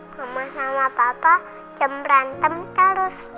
mama sama papa cemberantem terus